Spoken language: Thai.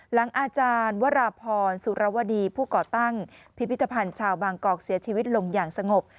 อาจารย์วราพรสุรวดีผู้ก่อตั้งพิพิธภัณฑ์ชาวบางกอกเสียชีวิตลงอย่างสงบ